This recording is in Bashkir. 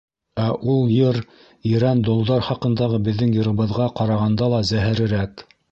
Ә ул йыр ерән долдар хаҡындағы беҙҙең йырыбыҙға ҡарағанда ла зәһәрерәк.